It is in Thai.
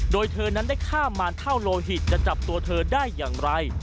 โดยเธอนั้นได้ข้ามมารเท่าโลหิตจะจับตัวเธอได้อย่างไร